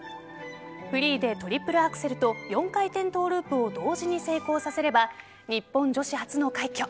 フリーでトリプルアクセルと４回転トゥループを同時に成功させれば日本女子初の快挙。